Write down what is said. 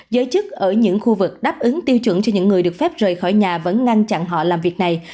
giới chức ở những khu vực đáp ứng tiêu chuẩn cho những người được phép rời khỏi nhà vẫn ngăn chặn họ làm việc này